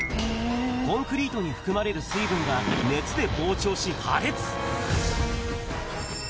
コンクリートに含まれる水分が熱で膨張し、破裂。